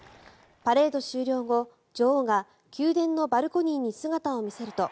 パレード終了後、女王が宮殿のバルコニーに姿を見せると